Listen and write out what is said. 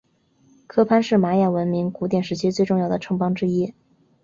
科潘是玛雅文明古典时期最重要的城邦之一。